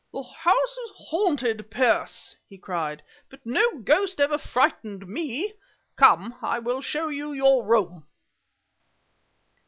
"The house is haunted, Pearce!" he cried. "But no ghost ever frightened me! Come, I will show you your room."